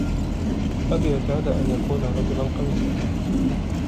أبي اعتاد أن يكون رجلاً قوياً.